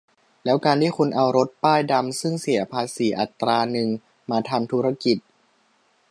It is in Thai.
แล้วการที่คุณเอารถป้ายดำซึ่งเสียภาษีอัตราหนึ่ง มาทำธุรกิจ